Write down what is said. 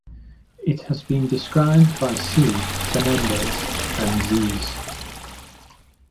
It has been described by C. Fernandez and Zs.